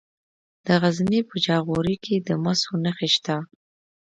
د غزني په جاغوري کې د مسو نښې شته.